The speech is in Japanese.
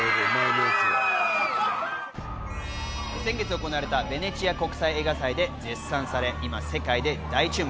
先月行われたベネチア国際映画祭で絶賛され今、世界で大注目。